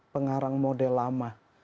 pengarang model lama